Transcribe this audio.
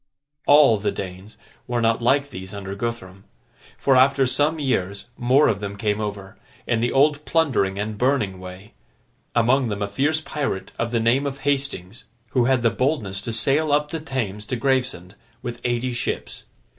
All the Danes were not like these under Guthrum; for, after some years, more of them came over, in the old plundering and burning way—among them a fierce pirate of the name of Hastings, who had the boldness to sail up the Thames to Gravesend, with eighty ships.